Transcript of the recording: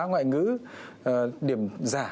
ngoại ngữ điểm giả